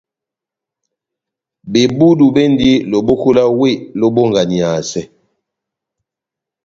Bebudu bendi loboko lá wéh lobonganiyasɛ.